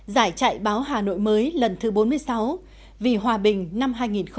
giải trại báo hà nội mới lần thứ bốn mươi sáu vì hòa bình năm hai nghìn một mươi chín